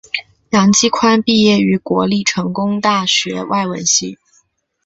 杨基宽毕业于国立成功大学外文系。